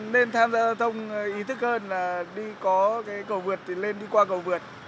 nên tham gia giao thông ý thức hơn là đi có cái cầu vượt thì lên đi qua cầu vượt